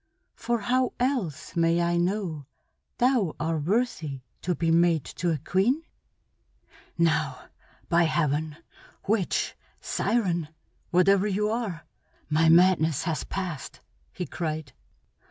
For how else may I know thou are worthy to be mate to a queen?" "Now, by Heaven! Witch, siren, whatever you are, my madness has passed!" he cried.